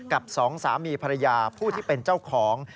สองสามีภรรยาผู้ที่เป็นเจ้าของ